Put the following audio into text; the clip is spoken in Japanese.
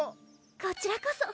こちらこそ。